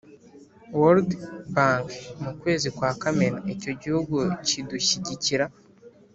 World Bank Mu Kwezi Kwa Kamena Icyo Gihugu Cyidushyigikira